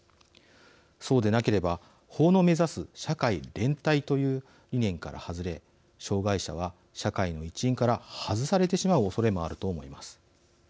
そうでなければ法の目指す社会連帯という理念から外れ障害者は社会の一員から外されてしまうおそれもあると思います。